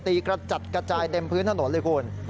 กระจัดกระจายเต็มพื้นถนนเลยคุณ